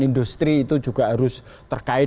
industri itu juga harus terkait